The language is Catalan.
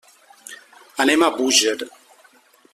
Anem a Búger.